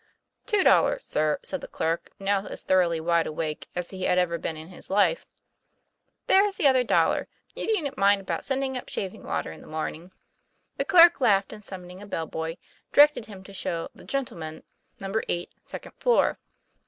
"Two dollars, sir," said the clerk, now as thor oughly wide awake as he had ever been in his life. " There's the other dollar ; you needn't mind about sending up shaving water in the morning." The clerk laughed, and summoning a bell boy, directed him to show the " gentlemen " number eight, second floor.